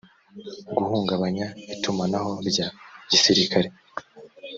guhungabanya itumanaho rya gisirikare